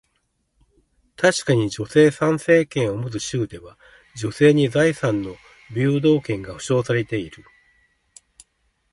確かに、女性参政権を持つ州では、女性に財産の平等権が保証されている。